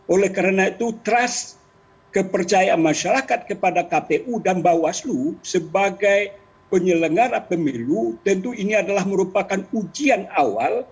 oleh karena itu trust kepercayaan masyarakat kepada kpu dan bawaslu sebagai penyelenggara pemilu tentu ini adalah merupakan ujian awal